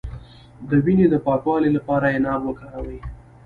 د وینې د پاکوالي لپاره عناب وکاروئ